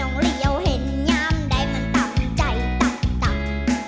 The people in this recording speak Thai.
น้องเหลี่ยวเห็นยามใดมันต่ำใจตับตับ